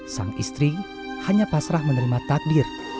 sang istri hanya pasrah menerima takdir